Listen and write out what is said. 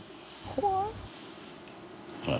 怖い。